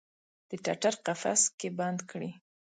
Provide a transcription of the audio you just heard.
د ټټر قفس کې بند کړي